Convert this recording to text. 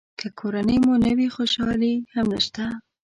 که کورنۍ مو نه وي خوشالي هم نشته.